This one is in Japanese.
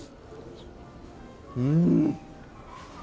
うん！